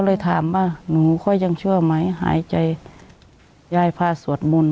เลยถามว่าหนูก็ยังเชื่อไหมหายใจยายพาสวดมนต์